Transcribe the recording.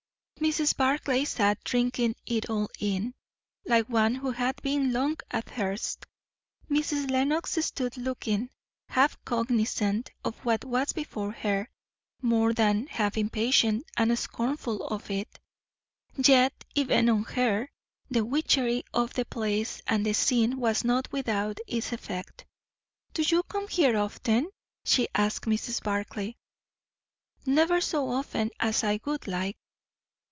Mrs. Barclay sat drinking it all in, like one who had been long athirst. Mrs. Lenox stood looking, half cognizant of what was before her, more than half impatient and scornful of it; yet even on her the witchery of the place and the scene was not without its effect. "Do you come here often?" she asked Mrs. Barclay. . "Never so often as I would like."